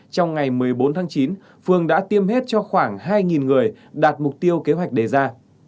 trong ngày một mươi bốn tháng chín phường đã tiêm hết cho khoảng hai người đạt mục tiêu kế hoạch đề ra